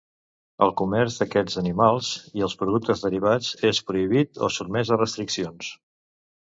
El comerç d'aquests animals, i els productes derivats, és prohibit o sotmès a restriccions.